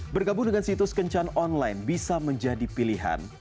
bergabung dengan situs kencan online bisa menjadi pilihan